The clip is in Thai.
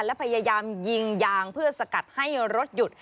และพยายามยิงยางเพื่อสกัดให้รถหยุด